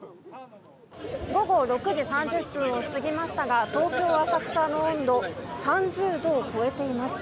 午後６時３０分を過ぎましたが東京・浅草の温度３０度を超えています。